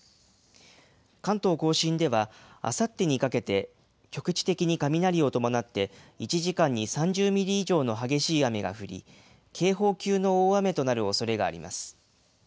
関東甲信ではあさってにかけて、局地的に雷を伴って１時間に３０ミリ以上の激しい雨が降り、警報級の大雨となるおそれがあります。